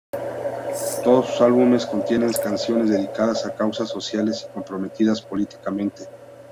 Todos sus álbumes contienen canciones dedicadas a causas sociales y comprometidas políticamente.